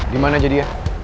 dimana aja dia